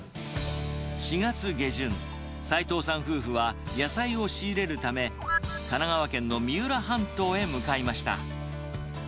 ４月下旬、斉藤さん夫婦は野菜を仕入れるため、神奈川県の三浦半島へ向かいました。